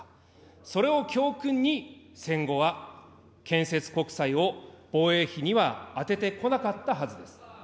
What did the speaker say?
それを教訓に戦後は建設国債を防衛費には充ててこなかったはずです。